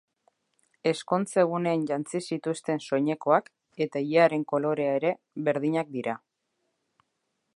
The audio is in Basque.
Ezkontza egunean jantzi zituzten soinekoak, eta ilearen kolorea ere, berdinak dira.